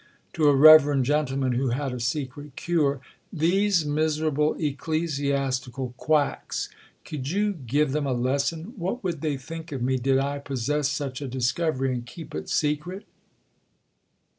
To a reverend gentleman who had "a secret cure": "These miserable ecclesiastical quacks! Could you give them a lesson? What would they think of me did I possess such a discovery and keep it secret?"